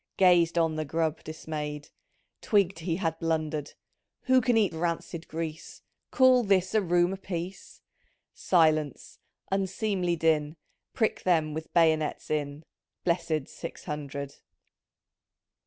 Gazed on the grub disraay'd — Twigged he had blundered ;—" Who can eat rancid grease ? Call this a room a piece !"*" Silence ! unseemly din, Prick them with bayonets in." Blessid Six Hundred